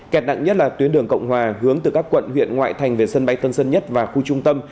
kẹt nặng nhất là tuyến đường cộng hòa hướng từ các quận huyện ngoại thành về sân bay tân sơn nhất và khu trung tâm